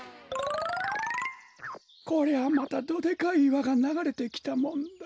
こりゃまたどでかいいわがながれてきたもんだ。